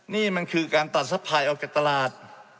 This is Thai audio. นี่มันคือการตัดสะพายออกจากตลาด